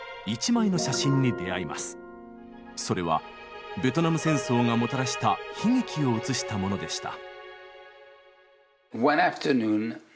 それはベトナム戦争がもたらした悲劇を写したものでした。